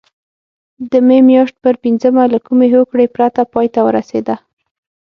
د مې میاشتې پر پینځمه له کومې هوکړې پرته پای ته ورسېده.